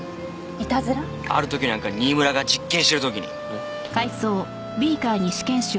ある時なんか新村が実験してる時に。